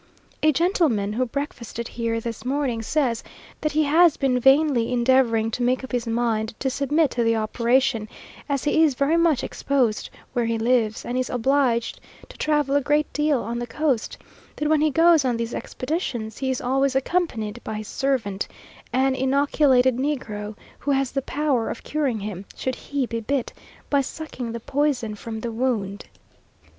A gentleman who breakfasted here this morning, says that he has been vainly endeavouring to make up his mind to submit to the operation, as he is very much exposed where he lives, and is obliged to travel a great deal on the coast; that when he goes on these expeditions, he is always accompanied by his servant, an inoculated negro, who has the power of curing him, should he be bit, by sucking the poison from the wound.